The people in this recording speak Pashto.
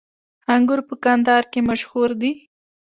انګور په کندهار کې مشهور دي